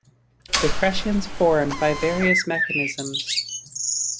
Depressions form by various mechanisms.